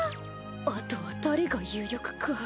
あとは誰が有力か。